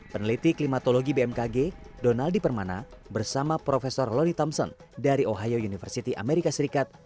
peneliti klimatologi bmkg donaldi permana bersama prof loni thompson dari ohio university amerika serikat